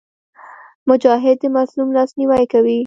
مجاهد د مظلوم لاسنیوی کوي.